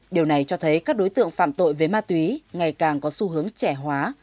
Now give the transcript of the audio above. điều này cho thấy các đối tượng phạm tội về ma túy ngày càng có xu hướng trẻ hóa